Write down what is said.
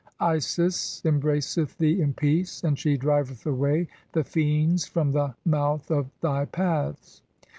Isis embraceth thee in peace, and she driveth away "the fiends from the (4) mouth of thy paths.